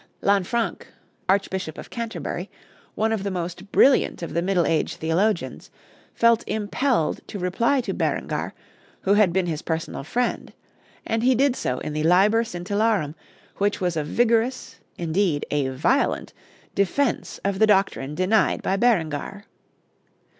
Lanfranc, Archbishop of Canterbury, one of the most brilliant of the Middle Age theologians, felt impelled to reply to Berengar, who had been his personal friend; and he did so in the 'Liber Scintillarum,' which was a vigorous, indeed a violent, defense of the doctrine denied by Berengar.